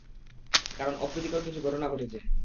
কারন অপ্রীতিকর কিছু ঘটনা ঘটেছে।